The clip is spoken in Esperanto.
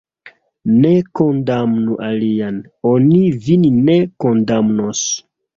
Ne kondamnu alian, oni vin ne kondamnos.